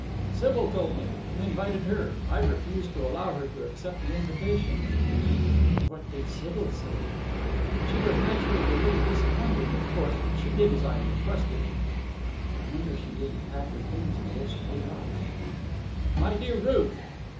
"Sybil told me. He invited her. I refused to allow her to accept the invitation." "And what did Sybil say?" "She was naturally a little disappointed, of course, but she did as I requested." "I wonder she didn't pack her things and go straight off." "My dear Ruth!"